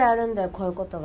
こういうことが。